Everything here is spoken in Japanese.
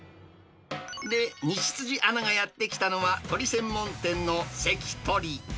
で、西辻アナがやって来たのは、鳥専門店のせきとり。